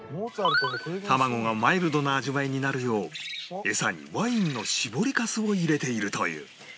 卵がマイルドな味わいになるよう餌にワインの搾りかすを入れているという